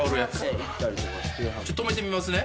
留めてみますね。